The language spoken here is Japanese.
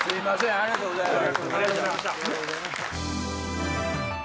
ありがとうございます。